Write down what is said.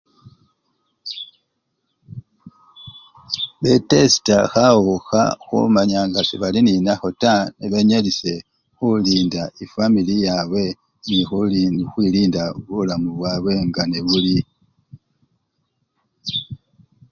Betesita khawukha khumanya nga sebali nende nakho taa nebanyalisye khulinda efwamili yabwe nekhuli! khukhwilinda bulamu bwabwe nga nebuli.